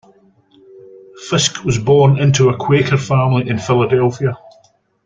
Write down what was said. Fisk was born into a Quaker family in Philadelphia.